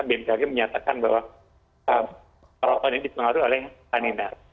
ini menyatakan bahwa terlalu banyak yang disengaruhi oleh tanina